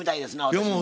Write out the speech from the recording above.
私も。